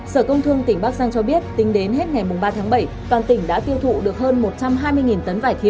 sở công thương tỉnh bắc giang cho biết tính đến hết ngày ba tháng bảy toàn tỉnh đã tiêu thụ được hơn một trăm hai mươi tấn vải thiều